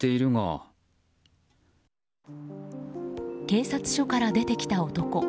警察署から出てきた男。